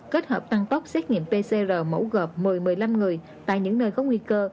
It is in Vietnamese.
kết hợp tăng tốc xét nghiệm pcr mẫu gợp một mươi một mươi năm người tại những nơi có nguy cơ